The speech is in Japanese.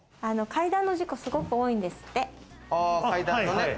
階段の事故、すごく多いんですって。